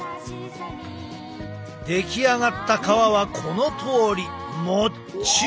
出来上がった皮はこのとおりもっちもち！